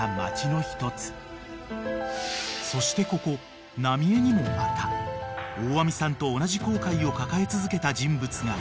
［そしてここ浪江にもまた大網さんと同じ後悔を抱え続けた人物がいた］